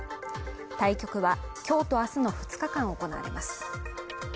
対局は今日と明日の２日間行われます。